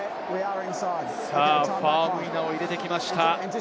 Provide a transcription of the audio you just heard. ファウムイナを入れてきました。